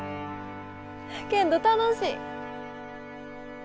けんど楽しい！